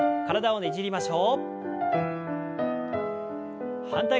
ねじりましょう。